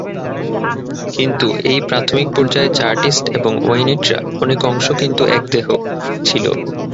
কিন্তু, এই প্রাথমিক পর্যায়ে চার্টিস্ট এবং ওয়িনিটরা "অনেক অংশ কিন্তু এক দেহ" ছিল।